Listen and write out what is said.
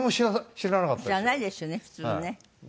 知らないですよね普通ね。